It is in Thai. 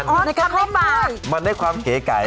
แล้วก็เป็นความเก๋ครับ